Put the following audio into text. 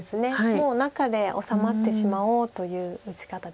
もう中で治まってしまおうという打ち方です。